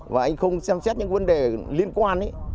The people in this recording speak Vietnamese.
và anh không xem xét những vấn đề liên quan ấy